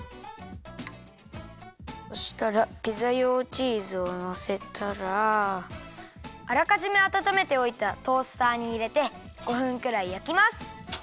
そしたらピザ用チーズをのせたらあらかじめあたためておいたトースターにいれて５分くらいやきます。